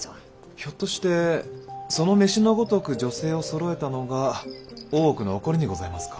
ひょっとしてその飯のごとく女性をそろえたのが大奥の起こりにございますか？